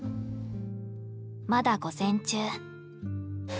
まだ午前中。